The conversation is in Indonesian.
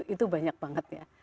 itu banyak banget ya